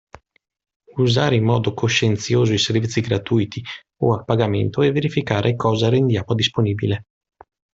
Usare in modo coscienzioso i servizi gratuiti o a pagamento e verificare cosa rendiamo disponibile.